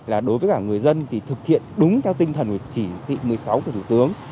là đối với cả người dân thì thực hiện đúng theo tinh thần của chỉ thị một mươi sáu của thủ tướng